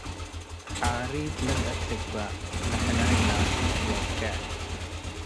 ሓሪት ለገአት ትግበእ ለሕላይ ላቱ ወቄዕ